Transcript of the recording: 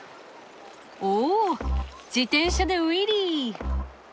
おお自転車でウィリー！